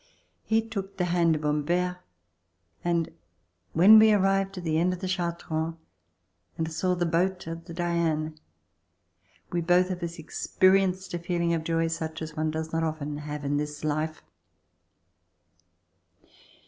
He took the hand of Humbert and when we arrived at the end of the Chartrons, and saw the boat of the "Diane," we both of us experienced a feeling of joy such as one does not often have in this life.